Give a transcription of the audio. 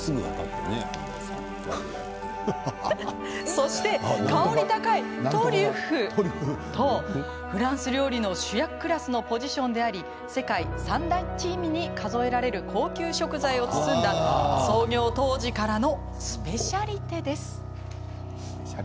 そして、香り高いトリュフとフランス料理の主役クラスのポジションであり世界三大珍味に数えられる高級食材を包んだ創業当時からのスペシャリテです。